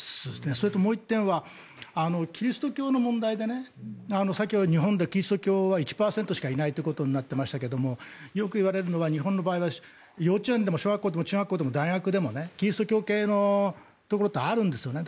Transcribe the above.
それと、もう１点はキリスト教の問題でさっき日本でキリスト教は１％しかいないとなっていましたがよく言われるのは日本の場合は幼稚園でも小学校でも中学校でも大学でもキリスト教系のところってあるんですよね。